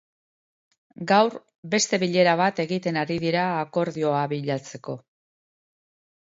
Gaur, beste bilera bat egiten ari dira, akordioa bilatzeko.